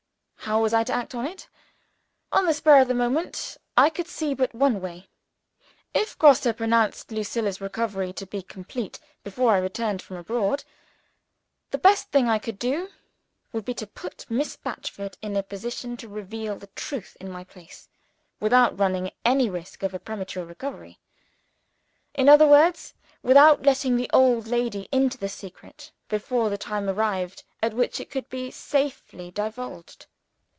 How was I to act on it? On the spur of the moment, I could see but one way. If Grosse pronounced Lucilla's recovery to be complete, before I returned from abroad, the best thing I could do would be to put Miss Batchford in a position to reveal the truth in my place without running any risk of a premature discovery. In other words, without letting the old lady into the secret, before the time arrived at which it could be safely divulged.